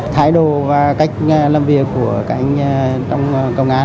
thái độ và cách làm việc của các anh trong công an